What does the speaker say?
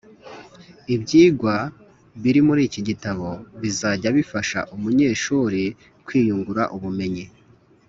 Ibyigwa biri muri iki gitabo bizajya bifasha umunyeshuri kwiyungura ubumenyi